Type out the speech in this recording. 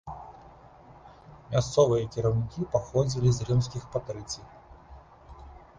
Мясцовыя кіраўнікі паходзілі з рымскіх патрыцый.